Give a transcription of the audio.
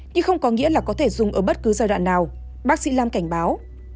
nhưng không có nghĩa là có thể dùng ở bất cứ giai đoạn nào bác sĩ lam cảnh báo